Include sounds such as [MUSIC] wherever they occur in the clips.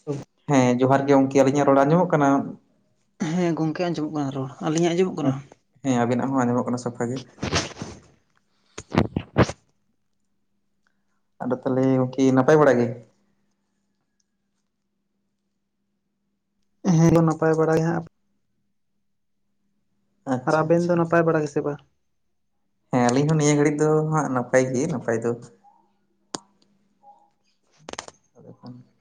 [UNINTELLIGIBLE] ᱦᱮᱸ ᱡᱚᱦᱟᱨ ᱜᱮ ᱜᱚᱢᱠᱤ ᱟᱹᱞᱤᱧᱟᱜ ᱨᱚᱲ ᱟᱸᱡᱚᱢᱚᱜ ᱠᱟᱱᱟ? ᱦᱮᱸ ᱜᱚᱢᱠᱮ ᱟᱸᱡᱚᱢᱚᱜ ᱠᱟᱱᱟ ᱨᱚᱲ ᱟᱞᱤᱧᱟᱜ ᱟᱸᱡᱚᱢᱚᱜ ᱠᱟᱱᱟ? ᱦᱮᱸ ᱟᱵᱤᱱᱟᱜ ᱦᱚᱸ ᱟᱸᱡᱚᱢᱚᱜ ᱠᱟᱱᱟ ᱥᱟᱯᱷᱟ ᱜᱮ᱾ ᱟᱫᱚ ᱛᱟᱞᱮ ᱜᱚᱝᱠᱮ ᱱᱟᱯᱟᱭ ᱵᱟᱲᱟ ᱜᱮ? ᱦᱮᱸ ᱱᱚ ᱱᱟᱯᱟᱭ ᱵᱟᱲᱟ ᱜᱮ ᱦᱟᱸᱜ ᱾ ᱟᱨ ᱟᱪᱪᱷᱟ ᱟᱵᱮᱱ ᱟᱪᱪᱷᱟ, ᱫᱚ ᱱᱟᱯᱟᱭ ᱵᱟᱲᱟ ᱜᱮᱥᱮ ᱵᱟᱝ? ᱦᱮᱸ ᱟᱞᱤᱧ ᱦᱚᱸ ᱱᱤᱭᱟᱹ ᱜᱷᱟᱹᱲᱤᱡ ᱫᱚ ᱦᱟᱸᱜ ᱱᱟᱯᱟᱭ ᱜᱮ ᱱᱟᱯᱟᱭ ᱫᱚ ᱾ [UNINTELLIGIBLE]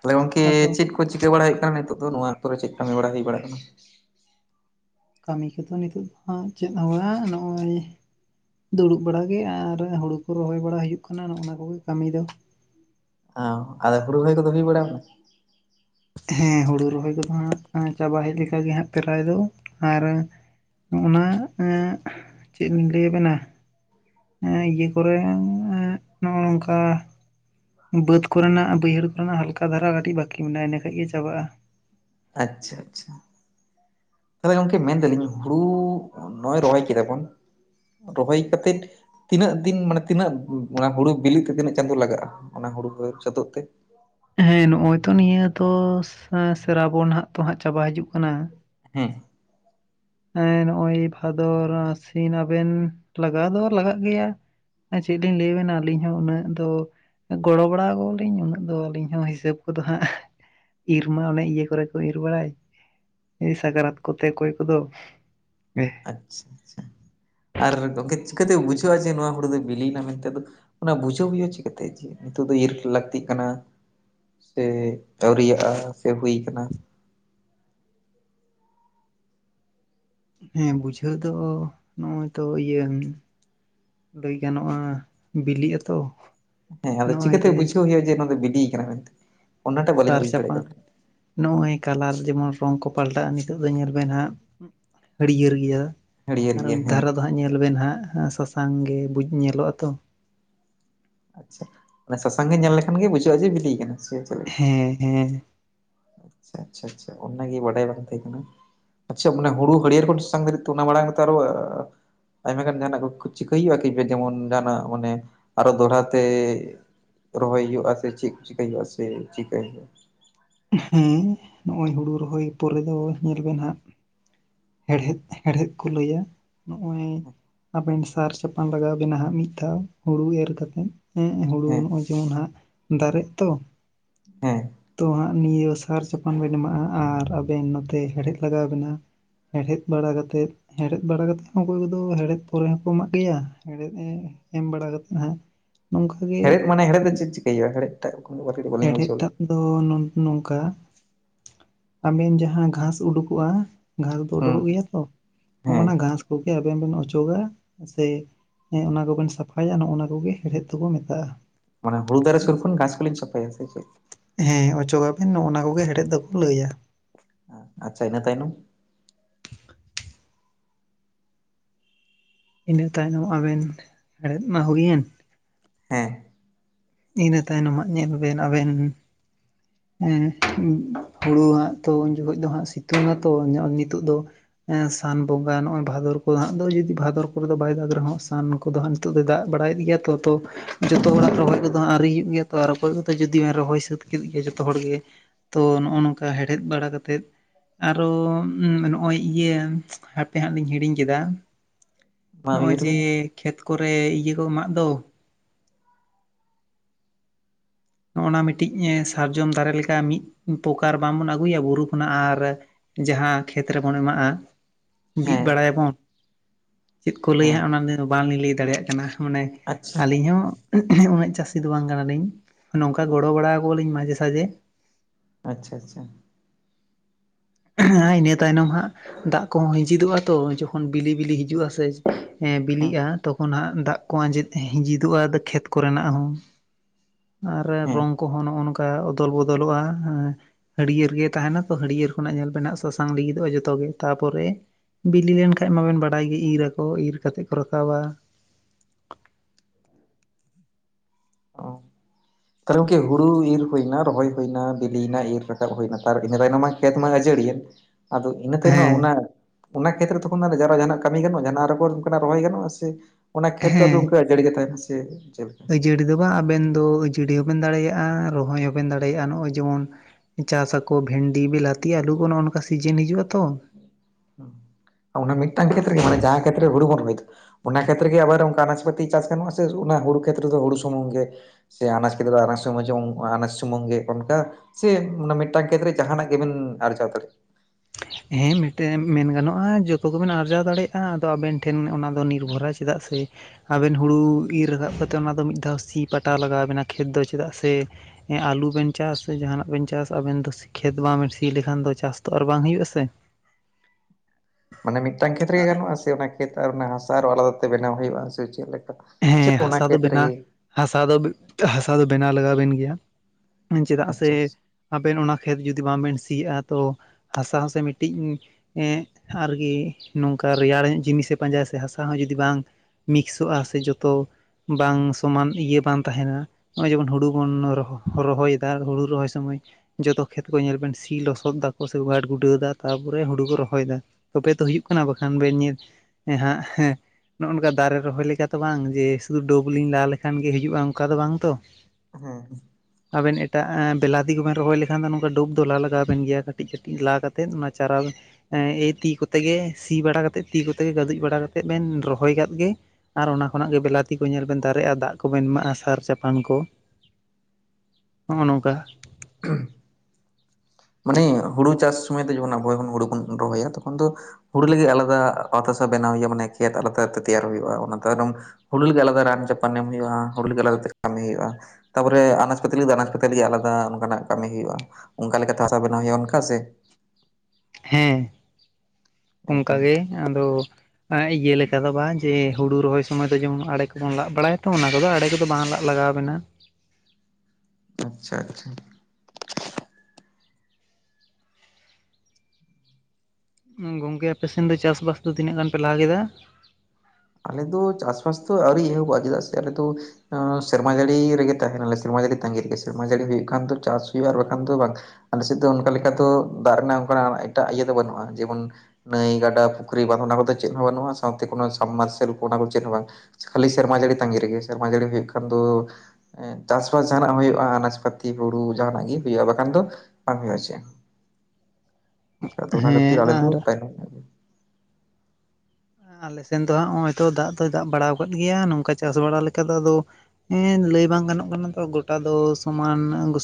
ᱛᱟᱞᱮ ᱜᱚᱢᱠᱮ ᱟᱫᱚ ᱪᱮᱫ ᱠᱚ ᱪᱤᱠᱟᱹ ᱵᱟᱲᱟ ᱦᱩᱭᱩᱜ ᱠᱟᱱᱟ ᱱᱤᱛᱳᱜ ᱫᱚ ᱱᱚᱣᱟ ᱟᱛᱳ ᱨᱮ ᱪᱮᱫ ᱠᱟᱹᱢᱤ ᱵᱟᱲᱟ ᱦᱳᱭ ᱵᱟᱲᱟᱜ ᱠᱟᱱᱟ ᱾ ᱠᱟᱹᱢᱤ ᱠᱚ ᱫᱚ ᱱᱤᱛᱳᱜ ᱫᱚ ᱦᱟᱸᱜ ᱪᱮᱫ ᱦᱚᱸ ᱵᱟ ᱱᱚᱜᱼᱚᱭ ᱾ ᱫᱩᱲᱩᱵ ᱵᱟᱲᱟ ᱜᱮ ᱟᱨ ᱦᱩᱲᱩ ᱠᱚ ᱨᱚᱦᱚᱭ ᱵᱟᱲᱟ ᱦᱩᱭᱩᱜ ᱠᱟᱱᱟ ᱱᱚᱜᱼᱱᱟ ᱠᱚ ᱜᱮ ᱠᱟᱹᱢᱤ ᱫᱚ ᱾ ᱟᱫᱚ ᱦᱩᱲᱩ ᱨᱚᱦᱚᱭ ᱠᱚ ᱫᱚ ᱦᱩᱭ ᱵᱟᱲᱟ ᱠᱟᱱᱟ? ᱦᱮᱸ ᱦᱩᱲᱩ ᱨᱚᱦᱚᱭ ᱠᱚ ᱫᱚ ᱦᱟᱸᱜ ᱪᱟᱵᱟ ᱦᱮᱡ ᱞᱮᱠᱟᱜᱮ ᱦᱟᱸᱜ ᱯᱨᱟᱭ ᱫᱚ ᱟᱨ ᱚᱱᱟ ᱮᱸ ᱪᱮᱫ ᱤᱧ ᱞᱟᱹᱭ ᱟᱵᱮᱱᱟ ᱾ ᱮᱸ ᱤᱭᱟᱹ ᱠᱚᱨᱮ ᱱᱚᱜᱼᱱᱚᱝᱠᱟ ᱾ ᱵᱟᱹᱫᱽ ᱠᱚᱨᱮᱱᱟᱜ ᱵᱟᱹᱭᱦᱟᱹᱲ ᱠᱚᱨᱮᱱᱟᱜ ᱦᱟᱞᱠᱟ ᱫᱷᱟᱨᱟ ᱠᱟᱹᱴᱤᱡ ᱵᱟᱹᱠᱤ ᱢᱮᱱᱟᱜᱼᱟ ᱤᱱᱟᱹ ᱠᱷᱟᱡ ᱜᱮ ᱪᱟᱵᱟᱜᱼᱟ ᱾ ᱟᱪᱪᱷᱟ ᱟᱪᱪᱷᱟ, ᱛᱚᱵᱮ ᱜᱚᱢᱠᱮ ᱢᱮᱱ ᱫᱟᱞᱤᱧ ᱦᱩᱲᱩ ᱱᱚᱜᱼᱚᱭ ᱨᱚᱦᱚᱭ ᱠᱮᱫᱟ ᱵᱚᱱ ᱾ ᱨᱚᱦᱚᱭ ᱠᱟᱛᱮᱫ ᱛᱤᱱᱟᱹᱜ ᱫᱤᱱ ᱢᱟᱱᱮ ᱛᱤᱱᱟᱹᱜ ᱚᱱᱟ ᱦᱩᱲᱩ ᱵᱤᱞᱤ ᱛᱮ ᱛᱤᱱᱟᱹᱜ ᱪᱟᱸᱫᱳ ᱞᱟᱜᱟᱜᱼᱟ, ᱚᱱᱟ ᱦᱩᱲᱩ ᱪᱟᱫᱚᱜ ᱛᱮ? ᱦᱮᱸ, ᱱᱚᱜ-ᱚᱭ ᱛᱚ ᱱᱤᱭᱟᱹ ᱫᱚ ᱥᱨᱟᱵᱚᱱ ᱦᱟᱸᱜ ᱛᱚ ᱦᱟᱸᱜ ᱪᱟᱵᱟ ᱦᱤᱡᱩᱜ ᱠᱟᱱᱟ ᱾ ᱦᱩᱸ, ᱮᱸ ᱱᱚᱜᱼᱚᱭ ᱵᱷᱟᱫᱚᱨ ᱟᱥᱤᱱ ᱟᱵᱮᱱ ᱞᱟᱜᱟᱣ ᱫᱚ ᱞᱟᱜᱟᱜ ᱜᱮᱭᱟ᱾ ᱮᱸ ᱪᱮᱜ ᱞᱤᱧ ᱞᱟᱹᱭ ᱵᱤᱱᱟ ᱟᱹᱞᱤᱧ ᱦᱚᱸ ᱩᱱᱟᱹᱜ ᱫᱚ ᱜᱚᱲᱚ ᱵᱟᱲᱟ ᱠᱚᱞᱤᱧ ᱩᱱᱟᱹᱜ ᱫᱚ ᱟᱹᱞᱤᱧ ᱦᱚᱸ ᱦᱤᱥᱟᱹᱵᱽ ᱠᱚ ᱫᱚ ᱦᱟᱸᱜ ᱾ ᱤᱨ ᱢᱟ ᱚᱱᱮ ᱤᱭᱟᱹ ᱠᱚᱨᱮ ᱠᱚ ᱤᱨ ᱵᱟᱲᱟᱭ ᱥᱟᱠᱨᱟᱛ ᱠᱚᱛᱮ ᱚᱠᱚᱭ ᱠᱚ ᱫᱚ ᱾ [UNINTELLIGIBLE] ᱟᱪᱪᱷᱟ ᱟᱪᱪᱷᱟ, ᱟᱨ ᱜᱚᱝᱠᱮ ᱪᱤᱠᱟᱹᱛᱮ ᱵᱩᱡᱷᱟᱹᱜᱼᱟ ᱡᱮ ᱱᱚᱣᱟ ᱦᱩᱲᱩ ᱫᱚ ᱵᱤᱞᱤᱭᱱᱟ ᱢᱮᱱᱛᱮ ᱫᱚ? ᱚᱱᱟ ᱵᱩᱡᱷᱟᱹᱣ ᱜᱮᱭᱟ ᱪᱤᱠᱟᱹᱛᱮ ᱡᱮ ᱱᱤᱛᱚᱜ ᱫᱚ ᱤᱨ ᱞᱟᱹᱠᱛᱤᱜ ᱠᱟᱱᱟ? ᱥᱮ ᱟᱹᱣᱨᱤᱭᱟᱜᱼᱟ ᱥᱮ ᱦᱩᱭ ᱠᱟᱱᱟ? ᱦᱮᱸ ᱵᱩᱡᱷᱟᱹᱣ ᱫᱚ ᱱᱚᱜᱼᱚᱭ ᱛᱚ ᱤᱭᱟᱹ ᱞᱟᱹᱭ ᱜᱟᱱᱚᱜᱼᱟ ᱵᱤᱞᱤᱜ-ᱟ ᱛᱚ, ᱦᱮᱸ ᱟᱫᱚ ᱪᱤᱠᱟᱹᱛᱮ ᱵᱩᱡᱷᱟᱹᱣ ᱜᱮᱭᱟ ᱡᱮ ᱱᱚᱣᱟ ᱫᱚ ᱵᱤᱞᱤᱭ ᱠᱟᱱᱟ ᱢᱮᱱᱛᱮ? ᱚᱱᱟᱴᱟᱜ ᱵᱟᱹᱞᱤᱧ ᱥᱟᱨ ᱵᱩᱡᱽ ᱫᱟᱲᱮᱭᱟᱜ ᱪᱟᱯᱟᱱ᱾ ᱠᱟᱱ ᱛᱟᱦᱮᱸᱫ ᱱᱚᱜᱼᱚᱭ ᱠᱟᱞᱟᱨ ᱡᱮᱢᱚᱱ ᱨᱚᱝ ᱠᱚ ᱯᱟᱞᱴᱟᱜᱼᱟ ᱱᱤᱛᱚᱜ ᱫᱚ ᱧᱮᱞ ᱢᱮ ᱱᱟᱦᱟᱜ ᱦᱟᱹᱨᱭᱟᱹᱲ ᱜᱮᱭᱟ᱾ ᱦᱟᱹᱲᱭᱟᱹᱨ ᱟᱨᱚ ᱜᱮᱭᱟ ᱩᱧ ᱦᱮᱸ ᱫᱷᱟᱨᱮ ᱫᱚ ᱦᱟᱸᱜ ᱧᱮᱞ ᱵᱮᱱ ᱦᱟᱸᱜ ᱥᱟᱥᱟᱝ ᱜᱮ ᱵᱩᱡᱽ ᱧᱮᱞᱚᱜᱼᱟ ᱛᱚ᱾ ᱟᱪᱪᱷᱟ ᱢᱟᱱᱮ ᱥᱟᱥᱟᱝ ᱜᱮ ᱧᱮᱞ ᱞᱮᱠᱷᱟᱱ ᱜᱮ ᱵᱩᱡᱷᱟᱹᱜᱼᱟ ᱡᱮ ᱵᱤᱞᱤᱭ ᱠᱟᱱᱟ ᱥᱮ ᱪᱮᱫ? ᱞᱮᱠᱟ ᱦᱮᱸ ᱦᱮᱸ᱾ ᱟᱪᱪᱷᱟ ᱟᱪᱪᱷᱟ ᱟᱪᱪᱷᱟ, ᱚᱱᱟᱜᱮ ᱵᱟᱰᱟᱭ ᱵᱟᱝ ᱛᱟᱦᱮᱸ ᱠᱟᱱᱟ᱾ ᱟᱪᱪᱷᱟ ᱚᱱᱟ ᱦᱩᱲᱩ ᱦᱟᱹᱲᱭᱟᱹᱨ ᱠᱷᱚᱱ ᱥᱟᱥᱟᱝ ᱫᱟᱲᱤᱡ ᱛᱮ ᱚᱱᱟ ᱢᱟᱲᱟᱝ [UNINTELLIGIBLE] ᱟᱨᱚ- ᱟᱭᱢᱟ ᱜᱟᱱ ᱡᱟᱦᱟᱸᱱᱟᱜ ᱠᱚ ᱪᱤᱠᱟᱹᱭ ᱦᱩᱭᱩᱜᱼᱟ ᱠᱤ ᱡᱮᱢᱚᱱ ᱡᱟᱦᱟᱸᱱᱟᱜ ᱢᱟᱱᱮ ᱟᱨᱚ ᱫᱚᱲᱦᱟ ᱛᱮ ᱨᱚᱦᱚᱭ ᱦᱩᱭᱩᱜ ᱟ ᱥᱮ ᱪᱮᱫ ᱪᱤᱠᱟᱹᱭ ᱦᱩᱭᱩᱜ-ᱟ ᱥᱮ ᱪᱤᱠᱟᱹᱭ ᱦᱩᱭᱩᱜᱼᱟ? ᱦᱩᱸ, ᱱᱚᱜᱼᱚᱭ ᱦᱩᱲᱩ ᱨᱚᱦᱚᱭ ᱯᱚᱨᱮ ᱫᱚ ᱧᱮᱞ ᱵᱮᱱ ᱦᱟᱜᱸ, ᱦᱮᱲᱦᱮᱫ ᱦᱮᱲᱦᱮᱫ ᱠᱚ ᱞᱟᱹᱭᱟ ᱱᱚᱜᱼᱚᱭ ᱟᱵᱮᱱ ᱥᱟᱨ ᱪᱟᱯᱟᱱ ᱞᱟᱜᱟᱣ ᱵᱮᱱᱟ ᱦᱟᱜᱸ ᱢᱤᱫ ᱫᱷᱟᱣ ᱦᱩᱲᱩ ᱮᱨ ᱠᱟᱛᱮᱫ, ᱦᱮᱸ ᱦᱩᱲᱩ ᱱᱚᱜᱼᱚᱭ ᱡᱮᱢᱚᱱ ᱦᱟᱸᱜ, ᱫᱟᱨᱮᱜ-ᱟ ᱛᱚ᱾ ᱦᱮᱸ᱾ ᱛᱚ ᱦᱟᱸᱜ ᱱᱤᱭᱟᱹ ᱥᱟᱨ ᱪᱟᱯᱟᱱ ᱵᱮᱱ ᱮᱢᱟᱜᱼᱟ ᱟᱨ ᱟᱵᱮᱱ ᱱᱚᱛᱮ ᱦᱮᱲᱦᱮᱫ ᱞᱟᱜᱟᱣ ᱵᱮᱱᱟ᱾ ᱦᱮᱲᱦᱮᱫ ᱵᱟᱲᱟ ᱠᱟᱛᱮᱫ, ᱦᱮᱲᱦᱮᱫ ᱵᱟᱲᱟ ᱠᱟᱛᱮᱫ ᱚᱠᱚᱭ ᱠᱚᱫᱚ ᱦᱮᱲᱦᱮᱫ ᱯᱚᱨᱮ ᱦᱚᱸᱠᱚ ᱮᱢᱟᱜ ᱜᱮᱭᱟ᱾ ᱦᱮᱲᱦᱮᱫ ᱮᱢ ᱵᱟᱲᱟ ᱠᱟᱛᱮᱫ ᱦᱟᱸᱜ, ᱱᱚᱝᱠᱟ ᱜᱮ ᱦᱮᱲᱮᱫ ᱢᱟᱱᱮ ᱦᱮᱲᱮᱫ ᱫᱚ ᱪᱮᱫ ᱪᱤᱠᱟᱹ ᱦᱩᱭᱩᱜᱼᱟ ᱦᱮᱲᱮᱫ ᱴᱟᱜ ᱠᱚ [UNINTELLIGIBLE] ᱵᱟᱞᱤᱧ ᱵᱩᱡᱷᱟᱹᱣ ᱛᱚ ᱱᱚ ᱱᱚᱝᱠᱟ, ᱟᱵᱮᱱ ᱡᱟᱦᱟᱸ ᱜᱷᱟᱸᱥ ᱩᱰᱩᱠᱚᱜᱼᱟ, ᱜᱷᱟᱸᱥ ᱫᱚ ᱦᱩᱸ ᱩᱰᱩᱠᱚᱜ ᱜᱮᱭᱟ ᱛᱚ᱾ ᱦᱮᱸ ᱦᱚᱸᱜ-ᱱᱟ ᱜᱷᱟᱸᱥ ᱠᱚᱜᱮ ᱟᱵᱮᱱ ᱵᱮᱱ ᱚᱪᱚᱜᱟ ᱥᱮ ᱦᱮᱸ ᱚᱱᱟ ᱠᱚᱵᱮᱱ ᱥᱟᱯᱷᱟᱭᱟ, ᱱᱚᱜᱼᱱᱟ ᱠᱚᱜᱮ ᱦᱮᱲᱦᱮᱫ ᱫᱚ ᱠᱚ ᱢᱮᱛᱟᱜᱼᱟ᱾ ᱢᱟᱱᱮ ᱦᱩᱲᱩ ᱫᱟᱨᱮ ᱥᱚᱨ ᱠᱷᱚᱱ ᱜᱷᱟᱸᱥ ᱠᱚᱞᱤᱧ ᱥᱟᱯᱷᱟᱭᱟ ᱥᱮ ᱪᱮᱫ? ᱦᱮᱸ ᱚᱪᱚᱜᱟᱵᱮᱱ ᱱᱚᱜ-ᱱᱟ ᱠᱚᱜᱮ ᱦᱮᱲᱮᱫ ᱫᱚᱠᱚ ᱞᱟᱹᱭᱟ᱾ ᱟᱪᱪᱷᱟ ᱤᱱᱟᱹ ᱛᱟᱭᱱᱚᱢ ᱾ ᱤᱱᱟᱹ ᱛᱟᱭᱱᱚᱢ ᱟᱵᱮᱱ ᱦᱮᱲᱮᱫ ᱢᱟ ᱦᱩᱭᱮᱱ, ᱦᱮᱸ᱾ ᱤᱱᱟᱹ ᱛᱟᱭᱱᱚᱢ ᱦᱟᱸᱜ ᱧᱮᱞ ᱵᱮᱱ ᱟᱵᱮᱱ, ᱦᱮᱸ ᱦᱩᱲᱩ ᱦᱟᱸᱜ ᱛᱚ ᱩᱱ ᱡᱚᱠᱷᱚᱡ ᱫᱚ ᱦᱟᱸᱜ ᱥᱤᱛᱩᱝᱟ ᱛᱚ ᱱᱤᱛᱳᱜ ᱫᱚ ᱮᱸ ᱥᱟᱱ ᱵᱚᱸᱜᱟ ᱱᱚᱜᱼᱚᱭ ᱵᱷᱟᱫᱚᱨ ᱠᱚ ᱦᱟᱸᱜ ᱫᱚ ᱡᱩᱫᱤ ᱵᱷᱟᱫᱚᱨ ᱠᱚᱨᱮ ᱫᱚ ᱵᱟᱭ ᱫᱟᱜᱽ ᱨᱮᱦᱚᱸ ᱥᱟᱱ ᱠᱚ ᱫᱚ ᱦᱟᱸᱜ ᱱᱤᱛᱚᱜ ᱫᱚᱭ ᱵᱟᱲᱟᱭᱮᱫ ᱜᱮᱭᱟ ᱛᱚ ᱛᱚ, ᱡᱚᱛᱚ ᱦᱚᱲᱟᱜ ᱨᱚᱦᱚᱭ ᱠᱚᱫᱚ ᱫᱚ ᱦᱟᱸᱜ ᱟᱹᱣᱨᱤ ᱦᱩᱭᱩᱜ ᱜᱮᱭᱟ ᱛᱚ ᱟᱨ ᱚᱠᱚᱭ ᱠᱚ ᱛᱚ ᱡᱩᱫᱤ ᱵᱮᱱ ᱨᱚᱦᱚᱭ ᱥᱟᱹᱛ ᱠᱮᱫ ᱜᱮᱭᱟ, ᱡᱚᱛᱚ ᱦᱚᱲ ᱜᱮ ᱛᱚ ᱱᱚᱜᱼᱚ ᱱᱚᱝᱠᱟ ᱦᱮᱲᱦᱮᱫ ᱵᱟᱲᱟ ᱠᱟᱛᱮᱫ, ᱟᱨᱚ ᱱᱚᱜᱼᱚᱭ ᱤᱭᱟᱹ, ᱦᱟᱯᱮ ᱦᱟᱸᱜ ᱞᱤᱧ ᱦᱤᱲᱤᱧ ᱠᱮᱫᱟ᱾ ᱢᱟ ᱱᱚᱜᱼᱚᱭ ᱩᱭᱦᱟᱹᱨ ᱡᱮ ᱵᱤᱱ ᱠᱷᱮᱛ ᱠᱚᱨᱮ ᱤᱭᱟᱹ ᱠᱚ ᱮᱢᱟᱜ ᱫᱚ, ᱱᱚᱜ-ᱱᱟ ᱢᱤᱫᱴᱤᱡ ᱥᱟᱨᱡᱚᱢ ᱫᱟᱨᱮ ᱞᱮᱠᱟ ᱢᱤᱫ ᱯᱚᱠᱟᱨ ᱵᱟᱝ ᱵᱚᱱ ᱟᱹᱜᱩᱭᱟ ᱵᱩᱨᱩ ᱠᱷᱚᱱᱟᱜ ᱟᱨ ᱡᱟᱦᱟᱸ ᱠᱷᱮᱛ ᱨᱮᱵᱚᱱ ᱮᱢᱟᱜᱼᱟ᱾ ᱵᱤᱫ ᱦᱮᱸ ᱵᱟᱲᱟᱭᱟᱵᱚᱱ, ᱪᱮᱫ ᱠᱚ ᱞᱟᱹᱭᱟ ᱦᱮᱸ ᱦᱟᱸᱜ ᱚᱱᱟ [UNINTELLIGIBLE] ᱵᱟᱝᱞᱤᱧ ᱞᱟᱹᱭ ᱫᱟᱲᱮᱭᱟᱜ ᱠᱟᱱᱟ᱾ ᱢᱟᱱᱮ ᱟᱪᱪᱷᱟ ᱟᱹᱞᱤᱧ ᱦᱚᱸ [INAUDIBLE] ᱩᱱᱟᱹᱜ ᱪᱟᱹᱥᱤ ᱫᱚ ᱵᱟᱝ ᱠᱟᱱᱟᱞᱤᱧ᱾ ᱱᱚᱝᱠᱟ ᱜᱚᱲᱚ ᱵᱟᱲᱟ ᱠᱚᱣᱟᱞᱤᱧ ᱢᱟᱡᱷᱮ ᱥᱟᱡᱷᱮ᱾ ᱟᱪᱪᱷᱟ ᱟᱪᱪᱷᱟ᱾ ᱦᱮᱸ ᱤᱱᱟᱹ ᱛᱟᱭᱱᱚᱢ ᱦᱟᱸᱜ ᱫᱟᱜ ᱠᱚᱦᱚᱸ ᱦᱤᱸᱡᱤᱫᱚᱜ-ᱟ ᱛᱚ ᱡᱚᱠᱷᱚᱱ ᱵᱤᱞᱤ ᱵᱤᱞᱤ ᱦᱤᱡᱩᱜ-ᱟᱥᱮ ᱦᱮᱸ ᱵᱤᱞᱤᱜ-ᱟ ᱛᱚᱠᱷᱚᱱ ᱦᱟᱸᱜ ᱫᱟᱜ ᱠᱚ ᱟᱸᱡᱮᱫ ᱦᱸᱤᱡᱤᱫᱚᱜ-ᱟ ᱟᱫᱚ ᱠᱷᱮᱛ ᱠᱚᱨᱮᱱᱟᱜ ᱦᱚᱸ ᱦ [INAUDIBLE] ᱟᱨ ᱨᱚᱝ ᱠᱚᱦᱚᱸ ᱱᱚᱜ-ᱚ ᱱᱚᱝᱠᱟ ᱚᱫᱚᱞ ᱵᱚᱫᱚᱞᱚᱜ-ᱟ ᱦᱮᱸ᱾ ᱦᱟᱹᱲᱭᱟᱹᱲ ᱜᱮ ᱛᱟᱦᱮᱸᱱᱟ ᱛᱚ ᱦᱟᱹᱨᱭᱟᱹᱨ ᱠᱷᱚᱱᱟᱜ ᱧᱮᱞ ᱵᱮᱱ ᱱᱟᱜ ᱥᱟᱥᱟᱝ ᱞᱟᱹᱜᱤᱫᱚᱜ-ᱟ ᱡᱚᱛᱚᱜ ᱜᱮ ᱛᱟᱨᱯᱚᱨᱮ- ᱵᱤᱞᱤ ᱞᱮᱱᱠᱷᱟᱱ ᱢᱟᱵᱮᱱ ᱵᱟᱰᱟᱭ ᱜᱮ ᱤᱨ ᱟᱠᱚ ᱤᱨ ᱠᱟᱛᱮ ᱠᱚ ᱨᱟᱠᱟᱵᱟ᱾ ᱛᱟᱨ ᱜᱚᱝᱠᱮ ᱦᱩᱲᱩ ᱤᱨ ᱦᱩᱭᱱᱟ ᱨᱚᱦᱚᱭ ᱦᱩᱭᱱᱟ ᱵᱤᱞᱤᱭᱮᱱᱟ ᱤᱨ ᱨᱟᱠᱟᱵ ᱦᱩᱭᱱᱟ ᱛᱟᱨ ᱤᱱᱟᱹ ᱛᱟᱭᱱᱢ ᱢᱟ ᱠᱷᱮᱛ ᱢᱟ ᱟᱹᱡᱟᱹᱲᱤ ᱮᱱ᱾ ᱟᱫᱚ ᱤᱱᱟᱹ ᱛᱟᱭᱱᱚᱢ ᱦᱮᱸ ᱚᱱᱟ ᱚᱱᱟ ᱠᱷᱮᱛ ᱨᱮ ᱛᱚ ᱠᱷᱚᱱ ᱫᱚ [UNINTELLIGIBLE] ᱠᱟᱹᱢᱤ ᱜᱟᱱᱚᱜ-ᱟ ᱡᱟᱦᱟᱱᱟᱜ ᱟᱨ [UNINTELLIGIBLE] ᱱᱟᱜ ᱨᱚᱦᱚᱭ ᱜᱟᱱᱚᱜ-ᱟ ᱥᱮ ᱚᱱᱟ ᱠᱷᱮᱛ ᱫᱚ ᱟᱫᱚ ᱩᱱᱠᱟ ᱟᱡᱟᱹᱲᱤ ᱜᱮ ᱛᱟᱦᱮᱸᱱᱟ ᱥᱮ ᱪᱮᱞᱠᱟ? ᱡᱟᱹᱲᱤ ᱫᱚ ᱵᱟᱝ ᱟᱵᱮᱱ ᱫᱚ ᱟᱹᱡᱟᱹᱲᱤ ᱦᱚᱸᱵᱮᱱ ᱫᱟᱲᱮᱭᱟᱜ-ᱟ, ᱨᱚᱦᱚᱸᱭ ᱦᱚᱸᱵᱮᱱ ᱫᱟᱲᱮᱭᱟᱜ-ᱟ ᱱᱚᱜ-ᱚᱭ ᱡᱮᱢᱚᱱ ᱪᱟᱥ ᱟᱠᱚ ᱵᱷᱮᱱᱰᱤ ᱵᱤᱞᱟᱹᱛᱤ ᱟᱹᱞᱩ ᱚᱱᱮ ᱚᱱᱠᱟ ᱥᱤᱡᱮᱱ ᱦᱤᱡᱩᱜ-ᱟ ᱛᱚ ᱚᱱᱟ ᱢᱤᱫᱴᱟᱝ ᱠᱷᱮᱛ ᱨᱮ ᱜᱮ ᱢᱟᱱᱮ ᱡᱟᱦᱟᱸ ᱠᱷᱮᱛᱨᱮ ᱦᱩᱲᱩ ᱵᱚᱱ ᱨᱚᱦᱚᱭ ᱫᱚ? ᱚᱱᱟ ᱠᱷᱮᱛ ᱨᱮ ᱜᱮ ᱟᱵᱟᱨ ᱚᱝᱠᱟ ᱟᱱᱟᱪ ᱯᱟᱹᱛᱤ ᱪᱟᱥ ᱜᱟᱱ-ᱟ ᱥᱮ ᱚᱱᱟ ᱦᱩᱲᱩ ᱠᱷᱮᱛ ᱨᱮ ᱫᱚ ᱦᱩᱲᱩ ᱥᱩᱢᱩᱝ ᱜᱮ ᱥᱮ ᱟᱱᱟᱡᱽ [UNINTELLIGIBLE] ᱟᱱᱟᱡ ᱥᱩᱢᱝᱜ ᱜᱮ ᱚᱱᱠᱟ ᱥᱮ ᱚᱱᱟ ᱢᱤᱫᱴᱟᱝ ᱠᱷᱮᱛ ᱨᱮ ᱡᱟᱦᱟᱸᱱᱟᱜ ᱜᱮᱵᱤᱱ ᱟᱨᱡᱟᱣ ᱫᱟᱲᱮᱭᱟᱜ-ᱟ? ᱦᱮᱸ ᱢᱤᱫᱴᱮᱱ ᱢᱮᱱ ᱜᱟᱱᱚᱜ-ᱟ ᱡᱚᱛᱚ ᱜᱮᱵᱮᱱ ᱟᱨᱡᱟᱣ ᱫᱟᱲᱮᱭᱟᱜ-ᱟ ᱟᱫᱚ ᱟᱵᱮᱱ ᱴᱷᱮᱱ ᱚᱱᱟ ᱫᱚ ᱱᱤᱨᱵᱷᱚᱨᱟᱭ ᱪᱮᱫᱟᱜ ᱥᱮ ᱟᱵᱤᱱ ᱦᱩᱲᱩ ᱤᱨ ᱨᱟᱠᱟᱵ ᱠᱟᱛᱮ ᱚᱱᱟ ᱫᱚ ᱢᱤᱫ ᱫᱷᱟᱣ ᱥᱤ ᱯᱟᱴᱟᱣ ᱞᱟᱜᱟᱣ ᱵᱮᱱᱟ ᱠᱷᱮᱛ ᱫᱚ ᱪᱮᱫᱟᱜ ᱥᱮ ᱦᱮᱸ ᱟᱞᱩ ᱵᱮᱱ ᱪᱟᱥ ᱥᱮ ᱡᱟᱦᱟᱸᱱᱟᱜ ᱵᱮᱱ ᱪᱟᱥ ᱟᱵᱮᱱ ᱫᱚ ᱠᱷᱮᱛ ᱵᱟᱵᱮᱱ ᱥᱤ ᱞᱮᱠᱷᱟᱱ ᱫᱚ ᱪᱟᱥ ᱫᱚ ᱟᱨ ᱵᱟᱝ ᱦᱩᱭᱩᱜ-ᱟ ᱥᱮ᱾ [UNINTELLIGIBLE] ᱢᱟᱱᱮ ᱢᱤᱫᱴᱟᱝ ᱠᱷᱮᱛ ᱨᱮᱜᱮ ᱜᱟᱱᱚᱜ-ᱟ ᱥᱮ ᱚᱱᱟ ᱠᱷᱮᱛ ᱟᱨ ᱚᱱᱟ ᱦᱟᱥᱟ ᱟᱨ ᱟᱞᱟᱫᱟ ᱛᱮ ᱵᱮᱱᱟᱣ ᱦᱩᱭᱩᱜ-ᱟ ᱥᱮ ᱪᱮᱫ ᱞᱮᱠᱟ? ᱥᱮ ᱦᱮᱸ ᱚᱱᱟ ᱦᱟᱥᱟ ᱫᱚ ᱠᱷᱮᱛ ᱵᱮᱱᱟ ᱨᱮᱜᱮ ᱦᱟᱥᱟ ᱫᱚ ᱦᱟᱥᱟ ᱫᱚ ᱵᱮᱱᱟᱣ ᱞᱟᱜᱟᱣ ᱵᱤᱱ ᱜᱮᱭᱟ᱾ ᱪᱮᱫᱟᱜ ᱥᱮ ᱟᱪᱪᱷᱟ ᱟᱪᱪᱷᱟ ᱟᱵᱮᱱ ᱚᱱᱟ ᱠᱷᱮᱛ ᱡᱩᱫᱤ ᱵᱟᱝᱵᱮᱱ ᱥᱤᱭᱟᱜ-ᱟ ᱛᱚ ᱦᱟᱥᱟ ᱦᱚᱸ ᱥᱮ ᱢᱤᱫᱴᱤᱡ ᱮ ᱟᱹᱨᱠᱤ ᱱᱚᱝᱠᱟ ᱨᱮᱭᱟᱲ ᱧᱚᱜ ᱡᱤᱱᱤᱥᱮ ᱯᱟᱸᱡᱟ ᱥᱮ ᱦᱟᱥᱟ ᱦᱚᱸ ᱡᱩᱫᱤ ᱵᱟᱝ ᱢᱤᱠᱥᱚᱜ-ᱟ ᱥᱮ ᱡᱚᱛᱚ, ᱵᱟᱝ ᱥᱚᱢᱟᱱ ᱤᱭᱟᱹ ᱵᱟᱝ ᱛᱟᱦᱮᱸᱱᱟ᱾ ᱱᱚᱜ-ᱚᱭ ᱡᱮᱢᱚᱱ ᱦᱩᱲᱩ ᱵᱚᱱ ᱨᱚ ᱨᱚᱦᱚᱭᱮᱫᱟ ᱦᱩᱲᱩ ᱨᱚᱦᱚᱭ ᱥᱚᱢᱚᱭ ᱡᱚᱛᱚ ᱠᱷᱮᱛ ᱠᱚ ᱧᱮᱞ ᱵᱮᱱ ᱥᱤ ᱞᱚᱥᱚᱫ ᱫᱟᱠᱚ ᱥᱮ‌ ᱜᱟᱴ ᱜᱩᱰᱟᱹᱣ ᱫᱟ ᱛᱟᱨᱯᱚᱨᱮ ᱦᱩᱲᱩ ᱠᱚ ᱨᱚᱦᱚᱭᱮᱫᱟ᱾ ᱛᱯᱮ ᱛᱚ ᱦᱩᱭᱩᱜ ᱠᱟᱱᱟ ᱵᱟᱠᱷᱟᱱ ᱵᱮᱱ ᱱᱤᱛ ᱦᱟᱸᱜ ᱦᱮᱸ ᱱᱚᱜ-ᱱᱚᱝᱠᱟ ᱫᱟᱨᱮ ᱨᱚᱦᱚᱭ ᱞᱮᱠᱟ ᱛᱚ ᱵᱟᱝ ᱡᱮ ᱥᱩᱫᱩ ᱰᱳᱵᱽ ᱞᱤᱧ ᱞᱟ ᱞᱮᱠᱷᱟᱱ ᱜᱮ ᱦᱤᱡᱩᱜ-ᱟ ᱚᱝᱠᱟ ᱫᱚ ᱵᱟᱝ ᱛᱚ᱾ ᱦᱚᱸ ᱟᱵᱮᱱ ᱮᱴᱟᱜ ᱵᱮᱞᱟᱛᱤ ᱠᱚᱵᱮᱱ ᱨᱚᱦᱸᱚᱭ ᱞᱮᱠᱷᱟᱱ ᱫᱚ ᱱᱚᱝᱠᱟ ᱰᱩᱵ ᱫᱚ ᱞᱟ ᱞᱟᱜᱟᱣ ᱟᱵᱮᱱ ᱜᱮᱭᱟ ᱠᱟᱹᱴᱤᱡ ᱠᱟᱹᱴᱤᱡ᱾ ᱞᱟ ᱠᱟᱛᱮᱫ ᱚᱱᱟ ᱪᱟᱨᱟ ᱮ ᱮᱹ ᱛᱤ ᱠᱚᱛᱮ ᱜᱮ ᱥᱤ ᱵᱟᱲᱟ ᱠᱟᱛᱮᱜ ᱛᱤ ᱠᱚᱛᱮ ᱜᱮ ᱜᱟᱹᱫᱩᱡ ᱵᱟᱲᱟ ᱠᱟᱛᱮᱜ ᱵᱮᱱ ᱨᱚᱦᱚᱸᱭ ᱠᱟᱜ ᱜᱮ᱾ ᱟᱨ ᱚᱱᱟ ᱠᱷᱚᱱᱟᱜ ᱜᱮ ᱵᱤᱞᱟᱛᱤ ᱠᱚ ᱧᱮᱞ ᱵᱮᱱ ᱫᱟᱨᱮᱜ-ᱟ ᱫᱟᱜ ᱠᱚᱵᱮᱱ ᱮᱢᱟᱜ-ᱟ ᱥᱟᱨ ᱪᱟᱯᱟᱱ ᱠᱚ᱾ [INAUDIBLE] ᱦᱚᱜ-ᱚ ᱱᱚᱝᱠᱟ᱾ [INAUDIBLE] ᱢᱟᱱᱮ ᱦᱩᱲᱩ ᱪᱟᱥ ᱥᱚᱢᱚᱭ ᱫᱚ ᱡᱚᱠᱷᱚᱱ ᱟᱵᱚ ᱜᱮ ᱵᱚᱱ ᱦᱩᱲᱩ ᱵᱚᱱ ᱨᱚᱦᱚᱸᱭᱟ ᱛᱚᱠᱷᱚᱱ ᱫᱚ ᱦᱩᱲᱩ ᱞᱟᱹᱜᱤᱫ ᱟᱞᱟᱫᱟ ᱚᱛ ᱦᱟᱥᱟ ᱵᱮᱱᱟᱣ ᱦᱩᱭᱩᱜ-ᱟ ᱢᱟᱱᱮ ᱠᱷᱮᱛ ᱟᱞᱟᱫᱟ ᱛᱮ ᱛᱮᱭᱟᱨ ᱦᱩᱭᱩᱜ-ᱟ ᱚᱱᱟ ᱛᱟᱭᱱᱚᱢ ᱦᱩᱲᱩ ᱞᱟᱹᱜᱤᱫ ᱟᱞᱟᱫᱟ ᱨᱟᱱ ᱪᱟᱯᱟᱱ ᱮᱢ ᱦᱩᱭᱩᱜ-ᱟ ᱦᱩᱲᱩ ᱞᱟᱹᱜᱤᱫ ᱟᱞᱟᱫᱟ ᱛᱮ ᱠᱟᱹᱢᱤ ᱦᱩᱭᱩᱜ-ᱟ᱾ ᱛᱟᱯᱚᱨᱮ ᱟᱱᱟᱡᱽ ᱯᱟᱹᱛᱤ ᱞᱟᱹᱜᱤᱫ ᱫᱚ ᱟᱱᱟᱡᱽ ᱯᱟᱹᱛᱤ ᱞᱟᱹᱜᱤᱫ ᱟᱞᱟᱫᱟ ᱚᱱᱠᱟᱱᱟᱜ ᱠᱟᱹᱢᱤ ᱦᱩᱭᱩᱜ-ᱟ ᱚᱱᱠᱟ ᱞᱮᱠᱟᱛ ᱛᱟᱥᱟ ᱵᱮᱱᱟᱣ ᱦᱩᱭᱩᱜᱼᱟ ᱚᱱᱠᱟ ᱥᱮ ᱦᱮᱸ, ᱚᱱᱠᱟ ᱮᱠᱫᱚᱢ ᱜᱮ ᱟᱫᱚ ᱮᱸ ᱤᱭᱟᱹ ᱞᱮᱠᱟ ᱫᱚ ᱵᱟᱝ ᱡᱮ, ᱦᱩᱲᱩ ᱨᱚᱦᱚᱭ ᱥᱚᱢᱚᱭ ᱫᱚ ᱡᱮᱢᱚᱱ, ᱟᱲᱮ ᱠᱚᱵᱚᱱ ᱞᱟᱜ ᱵᱟᱲᱟᱭᱟ ᱛᱚ, ᱚᱱᱟ ᱠᱚᱫᱚ ᱟᱲᱮ ᱠᱚᱫᱚ ᱵᱟᱝ ᱞᱟᱜ ᱞᱟᱜᱟᱣ ᱵᱮᱱᱟ᱾ ᱟᱪᱪᱷᱟ ᱟᱪᱪᱷᱟ᱾ ᱜᱚᱝᱠᱮ ᱟᱯᱮᱥᱮᱱ ᱫᱚ, ᱪᱟᱥᱵᱟᱥ ᱫᱚ ᱛᱤᱱᱟᱹᱜ ᱜᱟᱱ ᱯᱮ ᱞᱟᱦᱟ ᱠᱮᱫᱟ? ᱟᱞᱮ ᱫᱚ ᱪᱟᱥᱵᱟᱥ ᱫᱚ ᱟᱹᱣᱨᱤ ᱮᱦᱚᱵᱚᱜ-ᱟ, ᱪᱮᱫᱟᱜ ᱥᱮ ᱟᱞᱮ ᱫᱚ ᱚ ᱥᱮᱨᱢᱟ ᱡᱟᱹᱲᱤ ᱨᱮᱜᱮ ᱛᱟᱦᱮᱱᱟᱞᱮ, ᱥᱮᱨᱢᱟ ᱡᱟᱹᱲᱤ ᱛᱟᱸᱜᱤ ᱨᱮᱜᱮ, ᱥᱮᱨᱢᱟ ᱡᱟᱹᱲᱤ ᱦᱩᱭᱩᱜ ᱠᱷᱟᱱ ᱫᱚ ᱪᱟᱥ ᱦᱩᱭᱩᱜᱼᱟ, ᱟᱨ ᱵᱟᱠᱷᱟᱱ ᱫᱚ ᱵᱟᱝ᱾ ᱟᱞᱮ ᱥᱮᱫ ᱫᱚ ᱚᱱᱠᱟ ᱞᱮᱠᱟ ᱛᱚ, ᱫᱟᱜ ᱨᱮᱱᱟᱜ ᱚᱱᱠᱟᱱᱟᱜ ᱮᱴᱟᱜ ᱤᱭᱟᱹ ᱫᱚ ᱵᱟᱹᱱᱩᱜᱼᱟ, ᱡᱮᱢᱚᱱ ᱱᱟᱹᱭ, ᱜᱟᱰᱟ, ᱯᱩᱠᱷᱨᱤ, ᱵᱟᱸᱫ ᱚᱱᱟ ᱠᱚᱫᱚ ᱪᱮᱫ ᱦᱚᱸ ᱵᱟᱹᱱᱩᱜᱼᱟ, ᱥᱟᱶᱛᱮ ᱠᱳᱱᱳ ᱥᱟᱢᱢᱟᱨᱥᱮᱞ ᱚᱱᱟ ᱠᱚᱫᱚ ᱪᱮᱫ ᱦᱚᱸ ᱵᱟᱝ, ᱠᱷᱟᱹᱞᱤ ᱥᱮᱨᱢᱟ ᱡᱟᱹᱲᱤ ᱛᱟᱸᱜᱤ ᱨᱮᱜᱤ, ᱥᱮᱨᱢᱟ ᱡᱟᱹᱲᱤ ᱦᱩᱭᱩᱜ ᱠᱟᱱ ᱫᱚ ᱪᱟᱥᱵᱟᱥ ᱡᱟᱦᱟᱱᱟᱜ ᱦᱩᱭᱩᱜᱼᱟ, ᱟᱱᱟᱡᱯᱟᱛᱤ ᱦᱩᱲᱩ ᱡᱟᱦᱟᱱᱟᱜ ᱜᱮ ᱦᱩᱭᱩᱜᱼᱟ, ᱵᱟᱠᱷᱟᱱ ᱫᱚ ᱵᱟᱝ ᱦᱩᱭᱩᱜᱼᱟ ᱪᱮᱫ ᱦᱚᱸ᱾ ᱟᱫᱚ ᱚᱱᱟ ᱠᱷᱟᱹᱛᱤᱨ ᱦᱮᱸ ᱟᱞᱮ ᱫᱚ, ᱟᱨ ᱛᱟᱭᱱᱚᱢ ᱧᱚᱜ ᱜᱮ᱾ ᱟᱞᱮ ᱥᱮᱱ ᱫᱚ ᱦᱟᱸᱜ ᱱᱚᱜᱼᱚᱭ ᱛᱚ, ᱫᱟᱜ ᱫᱚᱭ ᱫᱟᱜ ᱵᱟᱲᱟ ᱟᱠᱟᱫ ᱜᱮᱭᱟ, ᱱᱚᱝᱠᱟ ᱪᱟᱥ ᱵᱟᱲᱟ ᱞᱮᱠᱟ ᱫᱚ ᱟᱫᱚ ᱦᱮᱸ ᱞᱟᱹᱭ ᱵᱟᱝ ᱜᱟᱱᱚᱜ ᱠᱟᱱᱟ ᱛᱚ, ᱜᱚᱴᱟ ᱫᱚ ᱥᱚᱢᱟᱱ,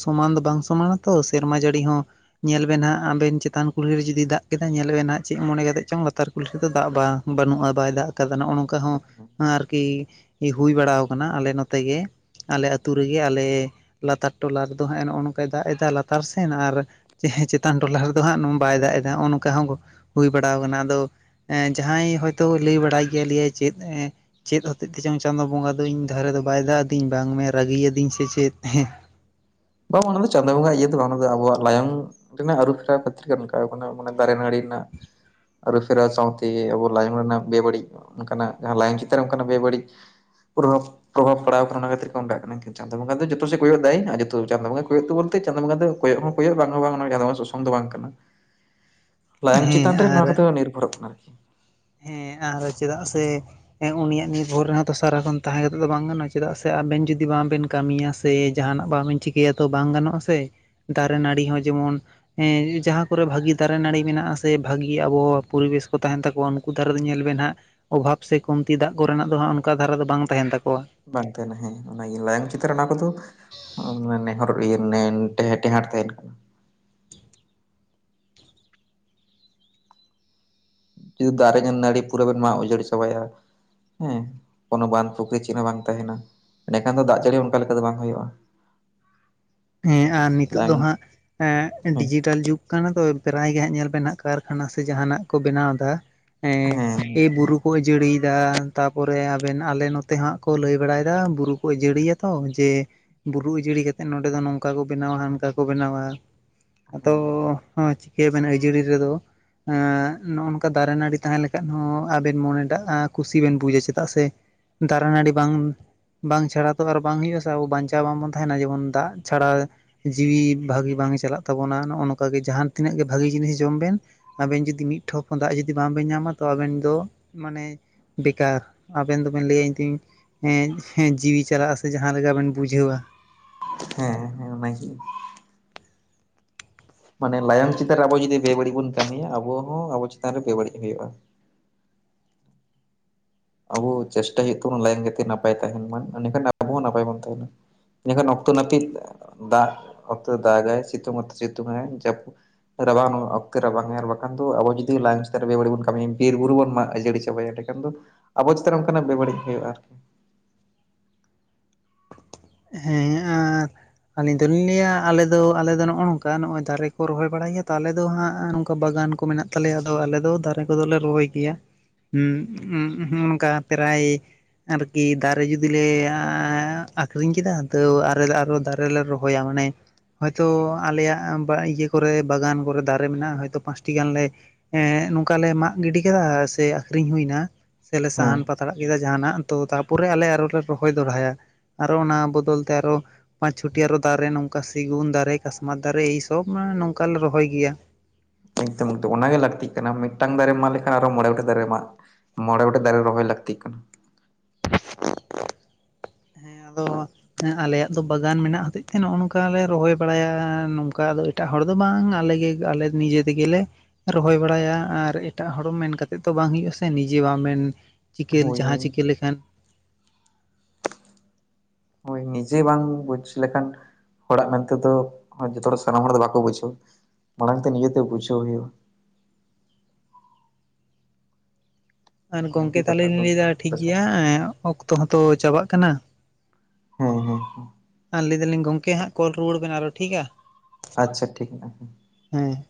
ᱥᱚᱢᱟᱱ ᱫᱚ ᱵᱟᱝ ᱥᱚᱢᱟᱱᱟ ᱛᱚ, ᱥᱮᱨᱢᱟ ᱡᱟᱹᱲᱤ ᱦᱚᱸ ᱧᱮᱞ ᱵᱮᱱ ᱦᱟᱸᱜ, ᱟᱵᱮᱱ ᱪᱮᱛᱟᱱ ᱠᱩᱞᱦᱤ ᱨᱮ ᱡᱩᱫᱤ ᱫᱟᱜ ᱠᱮᱫᱟ, ᱧᱮᱞ ᱵᱮᱱ ᱦᱟᱸᱜ ᱪᱮᱫ ᱢᱚᱱᱮ ᱠᱟᱛᱮᱫ ᱪᱚᱝ ᱞᱟᱛᱟᱨ ᱠᱩᱞᱦᱤ ᱨᱮᱫᱚ ᱫᱟᱜ ᱵᱟᱝ᱾ ᱵᱟᱹᱱᱩᱜᱼᱟ ᱵᱟᱭ ᱫᱟᱜ ᱟᱠᱟᱫᱟ, ᱱᱚᱜᱼᱚᱭ ᱱᱚᱝᱠᱟ ᱦᱚᱸ ᱟᱨᱠᱤ ᱦᱩᱭ ᱵᱟᱲᱟ ᱟᱠᱟᱱᱟ, ᱟᱞᱮ ᱱᱚᱛᱮ ᱜᱮ᱾ ᱟᱞᱮ ᱟᱹᱛᱩ ᱨᱮᱜᱮ ᱟᱞᱮ ᱞᱟᱛᱟᱨ ᱴᱚᱞᱟ ᱨᱮᱫᱚ ᱦᱟᱸᱜ ᱱᱚᱜᱼᱚ ᱱᱚᱝᱠᱟᱭ ᱫᱟᱜ ᱮᱫᱟ, ᱞᱟᱛᱟᱨ ᱥᱮᱱ ᱟᱨ ᱦᱮᱸ ᱪᱮᱛᱟᱱ ᱴᱚᱞᱟ ᱨᱮᱫᱚ ᱦᱟᱸᱜ ᱵᱟᱭ ᱫᱟᱜ ᱮᱫᱟ, ᱱᱚᱜᱼᱚ ᱱᱚᱝᱠᱟ ᱦᱚᱸ ᱦᱩᱭ ᱵᱟᱲᱟ ᱟᱠᱟᱱᱟ ᱟᱫᱚ ᱡᱟᱦᱟᱸᱭ ᱦᱚᱭᱛᱳ, ᱞᱟᱹᱭ ᱵᱟᱲᱟᱭ ᱜᱮᱭᱟ ᱞᱮᱭᱟᱭ ᱪᱮᱫ ᱪᱮᱫ ᱦᱚᱛᱮᱡ ᱛᱮ ᱪᱚᱝ ᱪᱟᱸᱫᱳ ᱵᱚᱸᱜᱟ ᱫᱚ, ᱤᱧ ᱫᱷᱟᱨᱮ ᱫᱚ ᱵᱟᱭ ᱫᱟᱜ ᱟᱹᱫᱤᱧ ᱵᱟᱝ ᱢᱮ ᱨᱟᱹᱜᱤ ᱟᱹᱫᱤᱧ ᱥᱮ ᱪᱮᱫ᱾ ᱵᱟᱝ ᱚᱱᱟᱫᱚ ᱪᱟᱸᱫᱳ ᱵᱚᱸᱜᱟ ᱤᱭᱟᱹ ᱫᱚ ᱵᱟᱝ, ᱟᱵᱚᱣᱟᱜ ᱞᱟᱭᱚᱝ ᱨᱮᱱᱟᱜ ᱟᱹᱨᱩ ᱯᱷᱮᱨ ᱠᱷᱟᱹᱛᱤᱨ ᱜᱮ ᱚᱱᱠᱟ ᱟᱠᱟᱱᱟ, ᱫᱟᱨᱮ ᱱᱟᱹᱲᱤ [UNINTELLIGIBLE] ᱟᱹᱨᱩ ᱯᱷᱮᱨᱟ ᱥᱟᱶᱛᱮ ᱟᱵᱚ ᱞᱟᱭᱚᱝ ᱨᱮᱱᱟᱜ ᱵᱮᱵᱟᱹᱲᱤᱡ, ᱚᱱᱠᱟᱱᱟᱜ ᱡᱟᱦᱟᱸ ᱞᱟᱭᱚᱝ ᱪᱮᱛᱟᱱ ᱨᱮ ᱚᱱᱠᱟᱱᱟᱜ ᱵᱮᱵᱟᱹᱲᱤᱡ ᱯᱨᱚᱵᱷᱟᱵ ᱯᱨᱵᱷᱟᱵ ᱯᱟᱲᱟᱣ ᱟᱠᱟᱱᱟ, ᱚᱱᱟ ᱠᱷᱟᱹᱛᱤᱨ ᱜᱮ ᱚᱱᱠᱟᱜ ᱠᱟᱱᱟ᱾ ᱪᱟᱸᱫᱳ ᱵᱚᱸᱜᱟ ᱫᱚ ᱡᱚᱛᱚ ᱥᱮᱫ ᱠᱚᱭᱚᱜ ᱮᱫᱟᱭ ᱟᱨ ᱡᱚ ᱛᱚ ᱪᱟᱸᱫᱳ ᱵᱚᱸᱜᱟ ᱠᱚᱭᱚᱜ ᱫᱟ ᱵᱚᱞᱛᱮ, ᱪᱟᱸᱫᱳ ᱵᱚᱸᱜᱟ ᱫᱚ ᱠᱚᱭᱚᱜ ᱦᱚᱸ ᱠᱚᱭᱚᱜ ᱵᱟᱝᱟᱸ ᱦᱚ ᱵᱟᱝ ᱚᱱᱟ ᱥᱟᱛᱮ ᱥᱚᱝ ᱫᱚ ᱵᱟᱝ ᱠᱟᱱᱟ᱾ ᱞᱟᱭᱚᱝ ᱦᱮᱸ ᱪᱮᱛᱟᱱ ᱨᱮ ᱟᱨ ᱱᱚᱣᱟ ᱠᱚ ᱱᱤᱨᱵᱷᱚᱨᱚᱜ ᱠᱟᱱᱟ ᱟᱨᱠᱤ᱾ ᱦᱮᱸ, ᱟᱨ ᱪᱮᱫᱟᱜ ᱥᱮ ᱮᱸ ᱩᱱᱤᱭᱟᱜ ᱱᱤᱨᱵᱷᱚᱨ ᱨᱮᱦ ᱛᱚ ᱥᱟᱨᱟᱠᱷᱚᱱ ᱛᱟᱦᱮᱸ ᱠᱟᱛᱮᱫ ᱫᱚ ᱵᱟᱝ ᱜᱟᱱᱚᱜᱼᱟ, ᱪᱮᱫᱟᱜ ᱥᱮ ᱟᱵᱮᱱ ᱡᱩᱫᱤ ᱵᱟᱝᱵᱮᱱ ᱠᱟᱹᱢᱤᱭᱟ ᱥᱮ ᱥᱮ ᱡᱟᱦᱟᱱᱟᱜ ᱵᱟᱢ ᱵᱮᱱ ᱪᱤᱠᱟᱹᱭᱟ ᱛᱚ ᱵᱟᱝ ᱜᱟᱱᱚᱜᱼᱟ ᱥᱮ, ᱫᱟᱨᱮ ᱱᱟᱹᱲᱤ ᱦᱚᱸ ᱡᱮᱢᱚᱱ, ᱦᱮᱸ ᱡᱟᱦᱟᱸ ᱠᱚᱨᱮ ᱵᱷᱟᱜᱤ ᱫᱟᱨᱮ ᱱᱟᱹᱲᱤ ᱢᱮᱱᱟᱜᱼᱟ ᱥᱮ, ᱵᱷᱟᱹᱜᱤ ᱟᱵᱚᱦᱟᱣᱟ ᱯᱚᱨᱤᱵᱮᱥ ᱠᱚ ᱛᱟᱦᱮᱸᱱ ᱛᱟᱠᱚᱣᱟ ᱩᱱ ᱩᱱᱠᱩ ᱫᱷᱟᱨᱮ ᱫᱚ ᱧᱮᱞ ᱵᱮᱱ ᱱᱟᱦᱟᱜ ᱚᱵᱷᱟᱵᱽ, ᱥᱮ ᱠᱚᱢᱛᱤ ᱫᱟᱜ ᱠᱚᱨᱮᱱᱟᱜ ᱫᱚ ᱦᱟᱜ ᱚᱱᱠᱟ ᱫᱷᱟᱨᱟ ᱫᱚ ᱵᱟᱝ ᱛᱟᱦᱮᱱ ᱛᱟᱠᱚᱣᱟ᱾ ᱵᱟᱝ ᱛᱟᱦᱮᱸᱱᱟ ᱦᱮᱸ ᱚᱱᱟ ᱜᱤ, ᱞᱟᱭᱚᱝ ᱪᱮᱛᱟᱱ ᱨᱮ ᱚᱱᱟ ᱠᱚᱫᱚ ᱱᱮᱦᱚᱨ ᱤᱭᱟᱹ ᱱᱮ ᱴᱮ ᱴᱮᱦᱟᱴ ᱛᱟᱦᱮᱸᱱ ᱠᱟᱱᱟ᱾ ᱡᱩᱫᱤ ᱫᱟᱨᱮ ᱧᱚ ᱱᱟᱹᱲᱤ ᱯᱩᱨᱟᱹ ᱵᱮᱱ ᱢᱟᱜ ᱩᱡᱟᱹᱲ ᱪᱟᱵᱟᱭᱟ ᱦᱮᱸ ᱠᱳᱱᱳ ᱵᱟᱸᱫᱷ ᱯᱩᱠᱷᱨᱤ ᱪᱮᱫ ᱦᱚᱸ ᱵᱟᱝ ᱛᱟᱦᱮᱸᱱᱟ, ᱮᱸᱰᱮᱠᱷᱟᱱ ᱫᱚ ᱫᱟᱜ ᱡᱟᱹᱲᱤ ᱦᱚ ᱚᱱᱠᱟ ᱞᱮᱠᱟ ᱫᱚ ᱵᱟᱝ ᱦᱩᱭᱩᱜᱼᱟ᱾ [UNINTELLIGIBLE] ᱦᱮᱸ, ᱟᱨ ᱱᱤᱛᱚᱜ ᱞᱟᱝ ᱫᱚ ᱦᱟᱸᱜ ᱮ ᱦᱮᱸ ᱰᱤᱡᱤᱴᱟᱞ ᱡᱩᱜᱽ ᱠᱟᱱᱟ ᱛᱚ, ᱯᱨᱟᱭ ᱜᱮ ᱦᱟᱸᱜ ᱧᱮᱞ ᱵᱮᱱ ᱱᱟᱦᱟᱜ, ᱠᱟᱨᱠᱷᱟᱱᱟ ᱥᱮ ᱡᱟᱦᱟᱱᱟᱜ ᱠᱚ ᱵᱮᱱᱟᱣ ᱮᱫᱟ᱾ ᱦᱮᱸ ᱮ ᱵᱩᱨᱩ ᱠᱚ ᱟᱹᱡᱟᱹᱲᱤ ᱡᱟᱦᱟ ᱛᱟᱯᱚᱨᱮ ᱟᱵᱮᱱ ᱟᱞᱮ ᱱᱚᱛᱮ ᱦᱟᱸᱜ ᱠᱚ ᱞᱟᱹᱭ ᱵᱟᱲᱟᱭᱮᱫᱟ, ᱵᱩᱨᱩ ᱠᱚ ᱟᱹᱡᱟᱹᱲᱤᱭᱟ ᱛᱚ ᱡᱮ ᱵᱩᱨᱩ ᱩᱡᱟᱹᱲᱤ ᱠᱟᱛᱮ ᱱᱚ ᱚᱸᱰᱮ ᱫᱚ ᱱᱚᱝᱠᱟ ᱠᱚ ᱵᱮᱱᱟᱣᱟ, ᱦᱟᱱᱠᱟ ᱠᱚ ᱵᱮᱱᱟᱣᱟ, ᱟᱫᱚ ᱦᱮᱸ ᱦ ᱪᱤᱠᱟᱹ ᱭᱟᱵᱤᱱ ᱟᱹᱭᱡᱟᱹᱨᱤ ᱨᱮᱫᱚ᱾ ᱮᱸᱜ ᱱᱚᱸᱜᱼᱚ ᱱᱚᱝᱠᱟ ᱫᱟᱨᱮ ᱱᱟᱹᱲᱤ ᱛᱟᱦᱮᱸ ᱞᱮᱱᱠᱷᱟᱱ ᱦᱚᱸ ᱟᱵᱮᱱ ᱢᱚᱱᱮᱟᱜᱼᱟ ᱠᱩᱥᱤ ᱵᱮᱱ ᱵᱩᱡᱟ ᱪᱮᱫᱟᱜ ᱥᱮ ᱫᱟᱨᱮ ᱱᱟᱹᱲᱤ ᱵᱟᱝ ᱵᱟᱝ ᱪᱷᱟᱲᱟ ᱛᱚ ᱟᱨ ᱵᱟᱝ ᱦᱩᱭᱩᱜᱼᱟ ᱥᱮ ᱟᱵᱚ ᱵᱟᱧᱪᱟᱣ ᱵᱟᱝᱵᱚᱱ ᱛᱟᱦᱮᱸᱱᱟ ᱡᱮᱢᱚᱱ ᱫᱟᱜ ᱪᱷᱟᱲᱟ ᱡᱤᱣᱤ ᱵᱷᱟᱜᱤ ᱵᱟᱝ ᱪᱟᱞᱟᱜ ᱛᱟᱵᱚᱱᱟ ᱱᱚᱸᱜᱼᱚ ᱱᱚᱝᱠᱟ ᱜᱮ ᱡᱟᱦᱟᱸ ᱛᱤᱱᱟᱹᱜ ᱜᱮ ᱵᱷᱟᱜᱤ ᱡᱤᱱᱤᱥ ᱡᱚᱢ ᱵᱮᱱ ᱟᱵᱮᱱ ᱡᱩᱫᱤ ᱢᱤᱫ ᱴᱷᱚᱯ ᱦᱚᱸ ᱫᱟᱜ ᱡᱩᱫᱤ ᱵᱟᱝᱵᱮᱱ ᱧᱟᱢᱟ ᱛᱚ ᱟᱵᱮᱱ ᱫᱚ ᱢᱟᱱᱮ ᱵᱮᱠᱟᱨ ᱟᱵᱮᱱ ᱫᱚᱵᱮᱱ ᱞᱟᱹᱭᱟ ᱤᱧ ᱛᱤᱧ ᱮᱸᱜ ᱡᱤᱣᱤ ᱪᱟᱞᱟᱜᱼᱟ ᱥᱮ ᱡᱟᱦᱟᱸ ᱞᱮᱠᱟᱵᱮᱱ ᱵᱩᱡᱷᱟᱹᱣᱟ ᱦᱮᱸ ᱦᱮᱸ ᱚᱱᱟ ᱜᱮ᱾ ᱢᱟᱱᱮ ᱞᱟᱭᱚᱝ ᱪᱮᱛᱟᱱ ᱨᱮ ᱟᱵᱚ ᱡᱩᱫᱤ ᱵᱮᱵᱟᱹᱲᱤᱡ ᱵᱚᱱ ᱠᱟᱹᱢᱤᱭᱟ ᱟᱵᱚ ᱦᱚᱸ ᱟᱵᱚ ᱪᱮᱛᱟᱱ ᱨᱮ ᱵᱮᱵᱟᱹᱲᱤᱡ ᱦᱩᱭᱩᱜᱼᱟ᱾ ᱟᱵᱚ ᱪᱮᱥᱴᱟᱭ ᱦᱩᱭᱩᱜ ᱛᱟᱵᱚᱱᱟ ᱞᱟᱭᱚᱝ ᱡᱟᱛᱮ ᱱᱟᱯᱟᱭ ᱛᱟᱦᱮᱸᱱ ᱢᱟ ᱮᱰᱮᱠᱷᱟᱱ ᱟᱵᱚ ᱦᱚᱸ ᱱᱟᱯᱟᱭ ᱵᱚᱱ ᱛᱟᱦᱮᱸᱱᱟ᱾ ᱤᱱᱟᱹᱠᱷᱟᱱ ᱚᱠᱛᱚ ᱱᱟᱹᱯᱤᱛ ᱫᱟᱜ ᱚᱠᱛᱚ ᱫᱟᱜᱟᱭ ᱥᱤᱛᱩᱝ ᱚᱠᱛᱚ ᱥᱤᱛᱩᱝ ᱟᱭ ᱡᱟᱹᱯᱩᱫ ᱨᱟᱵᱟᱝ ᱚᱠᱛᱮ ᱨᱟᱵᱟᱝ ᱟᱨ ᱵᱟᱠᱷᱟᱱ ᱫᱚ ᱟᱵᱚ ᱡᱩᱫᱤ ᱞᱟᱭᱚᱝ ᱪᱮᱛᱟᱱ ᱨᱮ ᱵᱮᱵᱟᱹᱲᱤᱡ ᱵᱚᱱ ᱠᱟᱹᱢᱤᱭᱟ ᱵᱤᱨ ᱵᱩᱨᱩ ᱵᱚᱱ ᱢᱟᱜ ᱩᱡᱟᱹᱲ ᱫᱚᱦᱚᱭᱟ ᱮᱸᱰᱮᱠᱷᱟᱱ ᱫᱚ ᱟᱵᱚ ᱪᱮᱛᱟᱱ ᱚᱱᱠᱟᱱᱟᱜ ᱵᱮᱵᱟᱹᱲᱤᱡ ᱦᱩᱭᱩᱜᱼᱟ ᱟᱨᱠᱤ᱾ ᱦᱮᱸ ᱟᱨ ᱟᱹᱞᱤᱧ ᱫᱚᱞᱤᱧ ᱞᱟᱹᱭᱟ ᱟᱞᱮ ᱫᱚ ᱟᱞᱮ ᱫᱚ ᱱᱚᱸᱜᱼᱚ ᱱᱚᱝᱠᱟ ᱱᱚᱸᱜᱼᱚᱭ ᱫᱟᱨᱮ ᱠᱚ ᱨᱚᱦᱚᱭ ᱵᱟᱲᱟᱭ ᱜᱮᱭᱟ ᱛᱚ ᱟᱞᱮ ᱫᱚ ᱦᱟᱸᱜ ᱱᱚᱝᱠᱟ ᱵᱟᱜᱟᱱ ᱠᱚ ᱢᱮᱱᱟᱜ ᱛᱟᱞᱮᱭᱟ ᱟᱫᱚ ᱟᱞᱮ ᱫᱚ ᱫᱟᱨᱮ ᱠᱚᱫᱚᱞᱮ ᱨᱚᱦᱚᱭ ᱜᱮᱭᱟ ᱩᱸᱜ ᱦᱩᱸ ᱱᱚᱸᱜᱼᱚ ᱱᱚᱝᱠᱟ ᱯᱨᱟᱭ ᱟᱨᱠᱤ ᱫᱟᱨᱮ ᱡᱩᱫᱤ ᱞᱮ ᱟ-ᱟᱠᱷᱨᱤᱧ ᱠᱮᱫᱟ ᱛᱟᱹᱣ ᱟᱨᱚ ᱫᱟᱨᱮ ᱨᱮᱞᱮ ᱨᱚᱦᱚᱭᱟ ᱢᱟᱱᱮ ᱦᱚᱭᱛᱚ ᱟᱞᱮᱭᱟᱜ ᱤᱭᱟᱹ ᱠᱚᱨᱮ ᱵᱟᱜᱟᱱ ᱠᱚᱨᱮ ᱫᱟᱨᱮ ᱢᱮᱱᱟᱜᱼᱟ ᱦᱚᱭᱛᱚ ᱯᱟᱸᱪᱴᱤ ᱜᱟᱱ ᱞᱮ ᱦᱮᱸ ᱱᱚᱝᱠᱟ ᱞᱮ ᱢᱟᱜ ᱜᱤᱰᱤ ᱠᱟᱫᱟ ᱥᱮ ᱟᱠᱷᱨᱤᱧ ᱦᱩᱭᱱᱟ, ᱥᱮᱞᱮ ᱦᱮᱸ ᱥᱟᱦᱟᱱ ᱯᱟᱛᱲᱟᱜ ᱠᱮᱫᱟ ᱡᱟᱦᱟᱸᱱᱟᱜ ᱛᱚ ᱛᱟᱨᱯᱚᱨᱮ ᱟᱞᱮ ᱟᱨᱮ ᱨᱚᱦᱚᱭ ᱫᱚᱲᱦᱟᱭᱟ᱾ ᱟᱨᱚ ᱚᱱᱟ ᱵᱚᱫᱚᱞ ᱛᱮ ᱟᱨᱚ ᱯᱟᱸᱪ ᱪᱷᱚᱴᱤ ᱟᱨᱚ ᱫᱟᱨᱮ ᱱᱚᱝᱠᱟ ᱥᱤᱜᱩᱱ ᱫᱟᱨᱮ ᱠᱟᱥᱢᱟᱨ ᱫᱟᱨᱮ ᱮᱭ ᱥᱚᱵ ᱢᱟᱱᱮ ᱱᱚᱝᱠᱟ ᱞᱮ ᱨᱚᱦᱚᱭ ᱜᱮᱭᱟ᱾ ᱮᱠᱫᱚᱢ ᱚᱱᱟ ᱜᱮ ᱞᱟᱹᱠᱛᱤ ᱠᱟᱱᱟ ᱢᱤᱫᱴᱟᱝ ᱫᱟᱨᱮᱢ ᱢᱟᱜ ᱞᱮᱠᱷᱟᱱ ᱟᱨᱚ ᱢᱚᱬᱮ ᱜᱚᱴᱮᱡ ᱫᱟᱨᱮ ᱢᱟᱜ ᱢᱚᱬᱮ ᱜᱚᱴᱮᱡ ᱫᱟᱨᱮ ᱨᱚᱦᱚᱭ ᱞᱟᱹᱠᱛᱤᱜ ᱠᱟᱱᱟ᱾ ᱦᱮᱸ ᱟᱫᱚ ᱦᱮᱸ ᱟᱞᱮᱭᱟᱜ ᱫᱚ ᱵᱟᱜᱟᱱ ᱢᱮᱱᱟᱜ ᱦᱚᱛᱮᱡ ᱛᱮ ᱱᱚᱸᱜᱼᱚ ᱱᱚᱝᱠᱟ ᱞᱮ ᱨᱚᱦᱚᱭ ᱵᱟᱲᱟᱭᱟ ᱱᱚᱝᱠᱟ ᱟᱫᱚ ᱮᱴᱟᱜ ᱦᱚᱲ ᱫᱚ ᱵᱟᱝ ᱟᱞᱮᱜᱮ ᱟᱞᱮ ᱱᱤᱡᱮ ᱛᱮᱜᱮᱞᱮ ᱨᱚᱦᱚᱭ ᱵᱟᱲᱟᱭᱟ ᱟᱨ ᱮᱴᱟᱜ ᱦᱚᱲ ᱢᱮᱱ ᱠᱟᱛᱮᱫ ᱛᱚ ᱵᱟᱝ ᱦᱩᱭᱩᱜ ᱟᱥᱮ ᱱᱤᱡᱮ ᱵᱟᱢ ᱢᱮᱱ ᱪᱤᱠᱟᱹ ᱦᱳᱭ ᱡᱟᱦᱟᱸ ᱦᱳᱭ ᱪᱤᱠᱟᱹ ᱞᱮᱠᱷᱟᱱ ᱦᱳᱭ ᱱᱤᱡᱮ ᱵᱟᱝ ᱵᱩᱡᱽ ᱞᱮᱠᱷᱟᱱ ᱦᱚᱲᱟᱜ ᱢᱮᱱᱛᱮᱫᱚ ᱡᱷᱚᱛᱚ ᱦᱚᱲ ᱥᱟᱱᱟᱢ ᱦᱚᱲ ᱫᱚ ᱵᱟᱠᱚ ᱵᱩᱡᱷᱟᱹᱣᱟ ᱢᱟᱲᱟᱝ ᱛᱮ ᱱᱤᱡᱮᱛᱮ ᱵᱩᱡᱷᱟᱹᱣ ᱦᱩᱭᱩᱜᱼᱟ᱾ ᱟᱨ ᱜᱚᱢᱠᱮ ᱚᱱᱟᱜᱮ ᱛᱟᱦᱞᱮ ᱠᱟᱛᱷᱟ ᱫᱚ ᱞᱤᱧ ᱞᱟᱹᱭᱫᱟ ᱴᱷᱤᱠ ᱵᱮᱥ᱾ ᱜᱮᱭᱟ ᱚᱠᱛᱚ ᱦᱚᱸᱛᱚ ᱪᱟᱵᱟᱜ ᱠᱟᱱᱟ, ᱦᱚᱸ ᱦᱚᱸ ᱦᱚᱸ᱾ ᱞᱮ ᱫᱟᱹᱞᱤᱧ ᱜᱚᱢᱠᱮ ᱦᱟᱸᱜ ᱠᱚᱞ ᱨᱩᱭᱟᱹᱲ ᱵᱮᱱ ᱟᱨᱚ ᱴᱷᱤᱠᱼᱟ? ᱟᱪᱪᱷᱟ ᱴᱷᱤᱠ ᱢᱮᱱᱟᱜᱼᱟ ᱦᱟᱸ᱾ ᱦᱮᱸ᱾